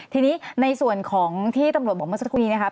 ทีนี้ในส่วนของที่ตำรวจบอกเมื่อสักครู่นี้นะครับ